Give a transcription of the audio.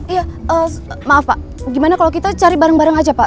iya maaf pak gimana kalau kita cari bareng bareng aja pak